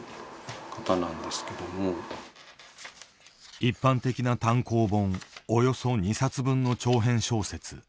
一般的な単行本およそ２冊分の長編小説。